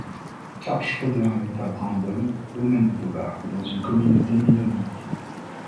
Karl Schroeder est né à Brandon, au Manitoba, dans une communauté mennonite.